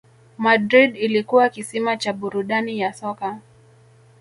Madrid ilikuwa kisima cha burudani ya soka